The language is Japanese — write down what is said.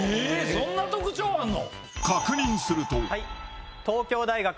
そんな特徴あんの？